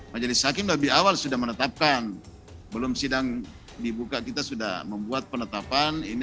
majelis hakim lebih awal sudah menetapkan belum sidang dibuka kita sudah membuat penetapan ini